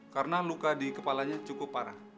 karena luka di kepalanya cukup parah